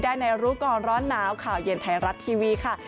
ได้ในรู้ก่อนร้อนหนาวข่าวเย็นไทยรัฐทีวีค่ะ